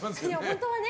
本当はね。